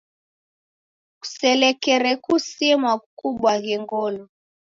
Kuselekere kusimwa kukubwaghe ngolo.